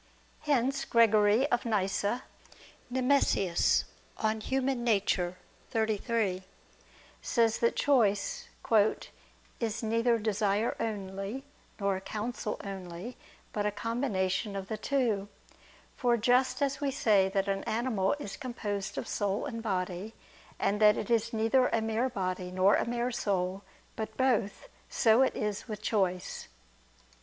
Hence Gregory of Nyssa [*Nemesius, De Nat. Hom. xxxiii.] says that choice "is neither desire only, nor counsel only, but a combination of the two. For just as we say that an animal is composed of soul and body, and that it is neither a mere body, nor a mere soul, but both; so is it with choice."